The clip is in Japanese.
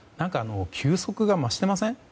球速が増していません？